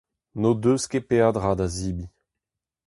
N’o deus ket peadra da zebriñ.